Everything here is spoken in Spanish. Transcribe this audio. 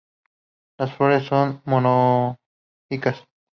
Las flores son monoicas.